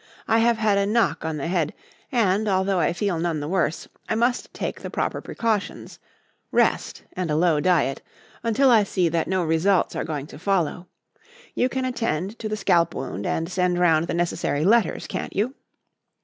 I have had a knock on the head, and, although I feel none the worse, I must take the proper precautions rest and a low diet until I see that no results are going to follow. You can attend to the scalp wound and send round the necessary letters, can't you?"